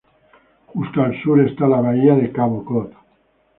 Justo al sur está la bahía de Cabo Cod.